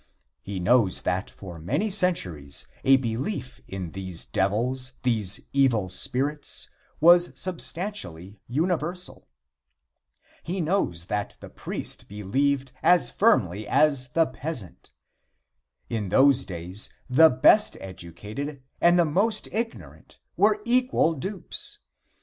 He knows that for many centuries a belief in these devils, these evil spirits, was substantially universal. He knows that the priest believed as firmly as the peasant. In those days the best educated and the most ignorant were equal dupes.